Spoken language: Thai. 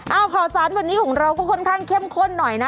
เอาข่าวสารวันนี้ของเราก็ค่อนข้างเข้มข้นหน่อยนะ